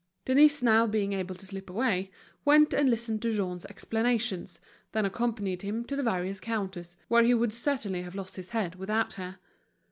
Denise now being able to slip away, went and listened to Jean's explanations, then accompanied him to the various counters, where he would certainly have lost his head without her.